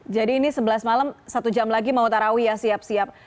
jadi ini sebelas malam satu jam lagi mau terawih ya siap siap